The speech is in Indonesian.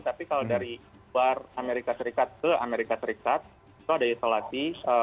tapi kalau dari luar amerika serikat ke amerika serikat itu ada isolasi